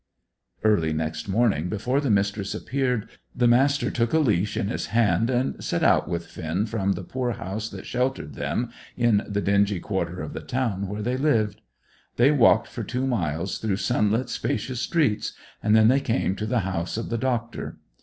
Early next morning, before the Mistress appeared, the Master took a leash in his hand, and set out with Finn from the poor house that sheltered them, in the dingy quarter of the town where they lived. They walked for two miles through sunlit spacious streets, and then they came to the house of the doctor.